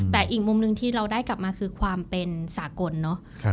แต่อีกมุมหนึ่งที่เราได้กลับมาคือความเป็นสากลเนอะ